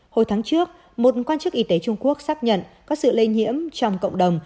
hồi tháng trước một quan chức y tế trung quốc xác nhận có sự lây nhiễm trong cộng đồng